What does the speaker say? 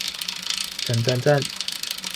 讚讚讚